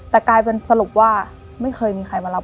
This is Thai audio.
แต่กลายเป็นสรุปว่าไม่เคยมีใครมารับ